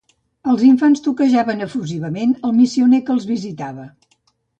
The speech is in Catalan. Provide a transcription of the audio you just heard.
Els infants toquejaven efusivament el missioner que els visitava.